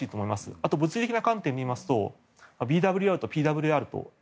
あと、物理的な観点でいいいますとＢＷＲとＰＷＲという。